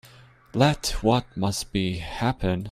Let what must be, happen.